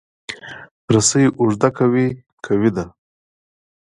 رسۍ اوږده که وي، قوي ده.